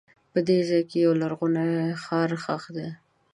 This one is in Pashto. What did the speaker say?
په دې ځای کې یو لرغونی ښار ښخ دی.